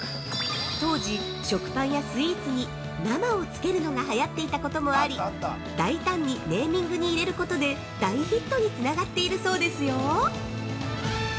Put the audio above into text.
当時、食パンやスイーツに「生」をつけるのがはやっていたこともあり、大胆にネーミングに入れることで大ヒットにつながっているそうですよ！